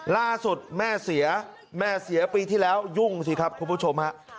ล่าสุดแม่เสียแม่เสียปีที่แล้วยุ่งสิครับคุณผู้ชมฮะ